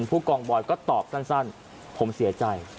พวกปุ๊บกองบอยก็ตอบทั้งสั้นผมเสียใจ